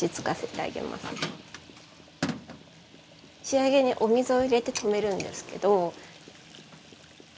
仕上げにお水を入れて止めるんですけど。